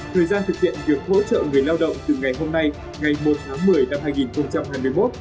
thời gian thực hiện việc hỗ trợ người lao động từ ngày hôm nay ngày một tháng một mươi năm hai nghìn hai mươi một